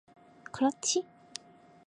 그렇지?